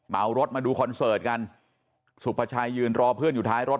รถมาดูคอนเสิร์ตกันสุภาชัยยืนรอเพื่อนอยู่ท้ายรถ